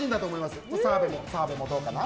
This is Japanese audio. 澤部もどうかな？